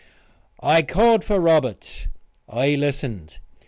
I called for Robert. I listened.